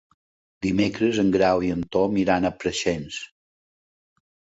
Dimecres en Grau i en Tom iran a Preixens.